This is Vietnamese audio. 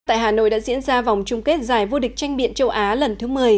tại hà nội đã diễn ra vòng chung kết giải vô địch tranh biện châu á lần thứ một mươi